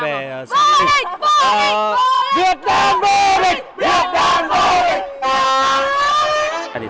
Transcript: việt nam vô lịch